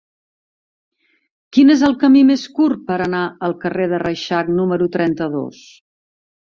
Quin és el camí més curt per anar al carrer de Reixac número trenta-dos?